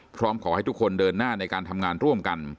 พร้อมขอให้ทุกคนเดินหน้าในการทำงานร่วมกัน